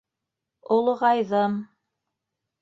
Олоғайҙым...